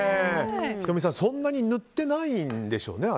仁美さん、そんなに塗ってないんでしょうね。